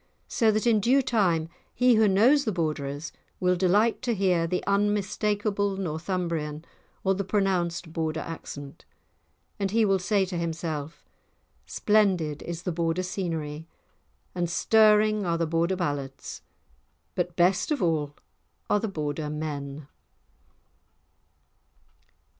So that in due time he who knows the Borderers will delight to hear the unmistakeable Northumbrian or the pronounced Border accent. And he will say to himself: Splendid is the Border scenery, and stirring are the Border ballads, but best of all are the Border men.